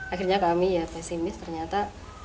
akhirnya kami ya pesimis ternyata